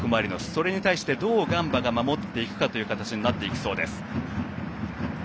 それに対してどうガンバが守っていくかという形になりそうです。